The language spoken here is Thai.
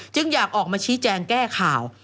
อยากออกมาชี้แจงแก้ข่าว